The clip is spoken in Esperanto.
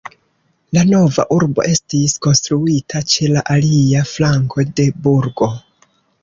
La nova urbo estis konstruita ĉe la alia flanko de burgo.